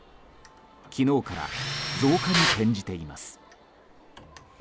昨日から増加に転じています。